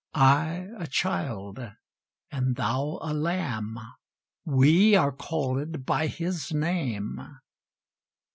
I a child, and thou a lamb, We are called by His name.